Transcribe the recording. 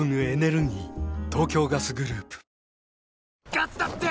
ガスだって！